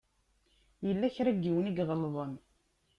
Yella kra n yiwen i iɣelḍen.